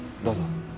どうぞ。